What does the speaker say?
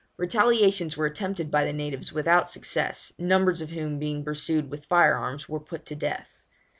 Retaliations were attempted by the natives without success, numbers of whom being pursued with fire arms were put to death.